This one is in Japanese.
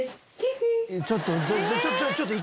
ちょっと。